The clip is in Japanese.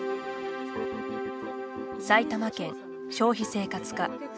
埼玉県消費生活課。